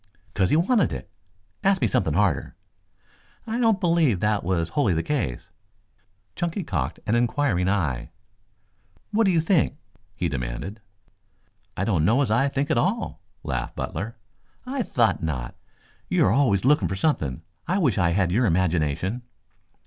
"'Cause he wanted it. Ask me something harder." "I don't believe that was wholly the case." Chunky cocked an inquiring eye. "What do you think?" he demanded. "I don't know as I think at all," laughed Butler. "I thought not. You are always looking for something. I wish I had your imagination."